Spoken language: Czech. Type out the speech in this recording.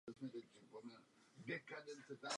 V tom za sebou Karen uslyší známý zvuk.